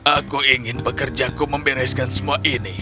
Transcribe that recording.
aku ingin pekerjaku membereskan semua ini